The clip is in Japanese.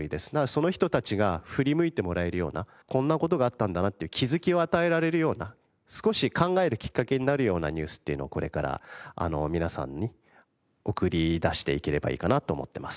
その人たちが振り向いてもらえるようなこんな事があったんだなっていう気づきを与えられるような少し考えるきっかけになるようなニュースっていうのをこれから皆さんに送り出していければいいかなと思ってます。